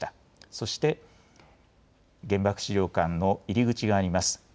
そして原爆資料館の入り口があります。